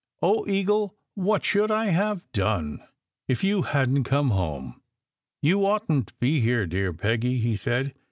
Oh, Eagle, what should I have done if you hadn t come home?" "You oughtn t to be here, dear Peggy," he said.